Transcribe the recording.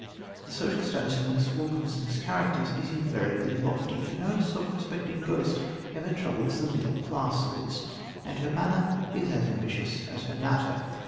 The social status of Miss Wilkinson's characters is invariably lofty, for no self respecting ghost ever troubles the middle classes; and her manner is as ambitious as her matter.